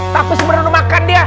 tapi sebenernya makan dia